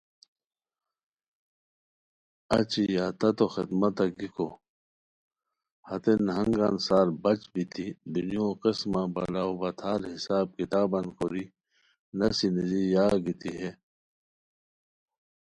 اچی یا تتو خدمتہ گیکو ہتے نہنگان سار بچ بیتی دنیو قسمہ بلاؤبتھار حساب کتابان کوری نسی نیزی یا گیتی ہے